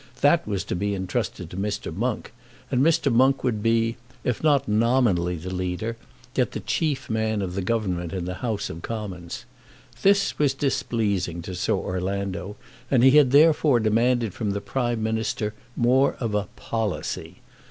That was to be intrusted to Mr. Monk, and Mr. Monk would be, if not nominally the Leader, yet the chief man of the Government in the House of Commons. This was displeasing to Sir Orlando, and he had, therefore, demanded from the Prime Minister more of a "policy."